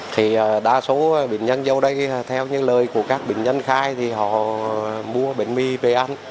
thì đa số bệnh nhân vô đây theo những lời của các bệnh nhân khai thì họ mua bệnh mì về ăn